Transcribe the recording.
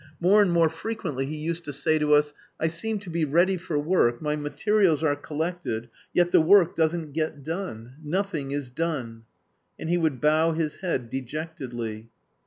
More and more frequently he used to say to us: "I seem to be ready for work, my materials are collected, yet the work doesn't get done! Nothing is done!" And he would bow his head dejectedly.